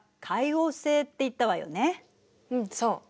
うんそう。